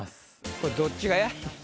これどっちがやるの？